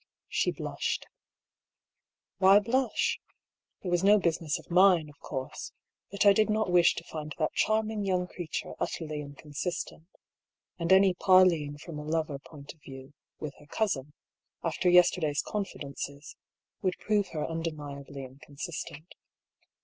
She blushed. Why blush ? It was no business of mine, of course ; but I did not wish to find that charming young creature utterly inconsistent. And any parleying from a Jover point of view, with her cousin, after yesterday's confi dences, would prove her undeniably inconsistent.